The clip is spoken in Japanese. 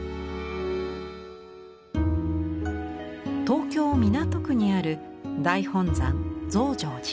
東京・港区にある大本山増上寺。